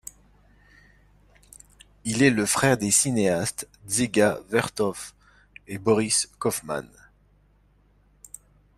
Il est le frère des cinéastes Dziga Vertov et Boris Kaufman.